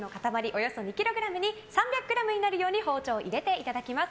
およそ２ｋｇに３００ｇになるように包丁を入れていただきます。